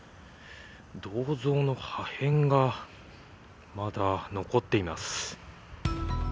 銅像の破片がまだ残っています。